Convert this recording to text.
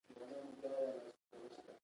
راتلونکی زموږ په لاس کې دی